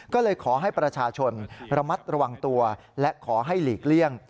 ก็เลยขอให้ประชาชนระมัดระวังตัวและขอให้หลีกเลี่ยง